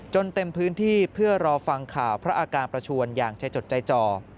เต็มพื้นที่เพื่อรอฟังข่าวพระอาการประชวนอย่างใจจดใจจ่อ